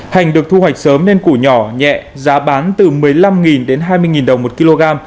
hành được thu hoạch sớm nên củ nhỏ nhẹ giá bán từ một mươi năm đến hai mươi đồng một kg